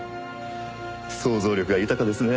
想像力が豊かですね。